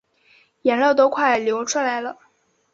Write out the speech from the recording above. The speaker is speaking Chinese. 眼泪都快流出来了